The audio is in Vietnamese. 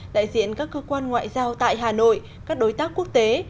đại diện các cơ quan ngoại giao tại hà nội các đối tác quốc tế